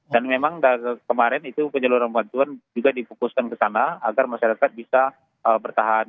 dan memang kemarin itu penyeluruhan bantuan juga dipukuskan ke sana agar masyarakat bisa bertahan